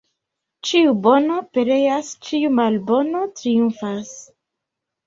Ĉiu bono pereas, ĉiu malbono triumfas.